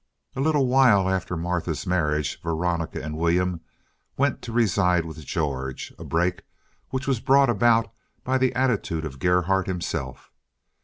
A little while after Martha's marriage Veronica and William went to reside with George, a break which was brought about by the attitude of Gerhardt himself.